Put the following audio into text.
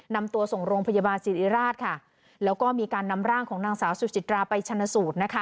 นำตัวส่งโรงพยาบาลสิริราชค่ะแล้วก็มีการนำร่างของนางสาวสุจิตราไปชนะสูตรนะคะ